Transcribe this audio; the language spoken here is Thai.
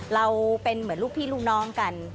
เราเป็นเหมือนลูกพี่ลูกน้องกัน